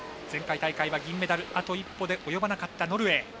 前回大会は銀メダルあと一歩で及ばなかったノルウェー。